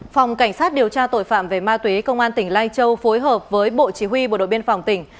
phòng cảnh sát điều tra tội phạm về ma túy công an tỉnh lai châu phối hợp với bộ chỉ huy bộ đội biên phòng tỉnh